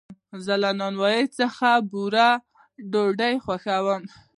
زه له نانوایي څخه بوره ډوډۍ خوښوم.